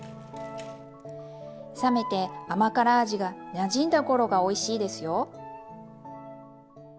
冷めて甘辛味がなじんだ頃がおいしいですよ。